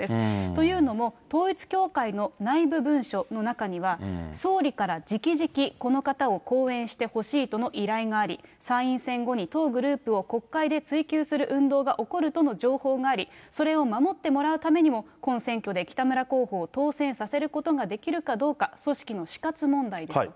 というのも、統一教会の内部文書の中には、総理からじきじき、この方を後援してほしいとの依頼があり、参院選後に当グループを国会で追及する運動が起こるとの情報があり、それを守ってもらうためにも、今選挙で北村候補を当選させることができるかどうか、組織の死活問題ですと。